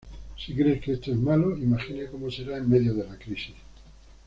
Si crees que esto es malo, imagina cómo será en medio de la crisis"".